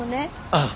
ああ。